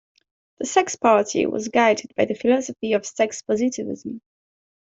The Sex Party was guided by the philosophy of sex-positivism.